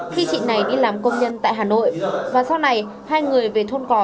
khi chị này đi làm công nhân tại hà nội và sau này hai người về thôn cỏ